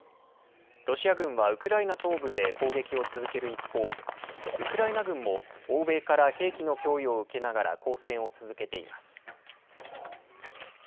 ロシア軍はウクライナ東部で攻撃を続ける一方、ウクライナ軍も欧米から兵器の供与を受けながら、抗戦を続けています。